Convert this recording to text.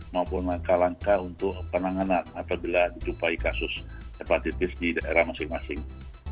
maupun langkah langkah untuk penanganan apabila dijumpai kasus hepatitis di daerah masing masing